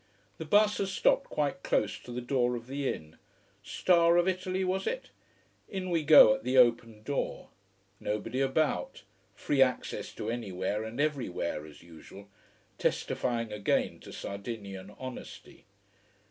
The bus has stopped quite close to the door of the inn: Star of Italy, was it? In we go at the open door. Nobody about, free access to anywhere and everywhere, as usual: testifying again to Sardinian honesty.